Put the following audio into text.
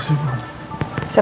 saya permisi pak amar